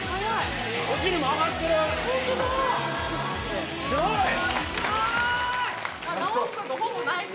はい。